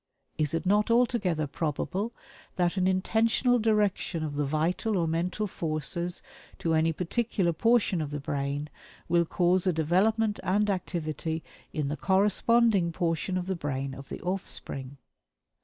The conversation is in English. Is it not altogether probable that an intentional direction of the vital or mental forces to any particular portion of the brain will cause a development and activity in the corresponding portion of the brain of the offspring?